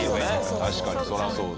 確かにそりゃそうだ。